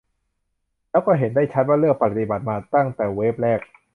แล้วก็เห็นได้ชัดว่าเลือกปฏิบัติมาตั้งแต่เวฟแรก